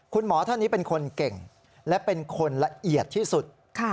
คุณหมอท่านนี้เป็นคนเก่งและเป็นคนละเอียดที่สุด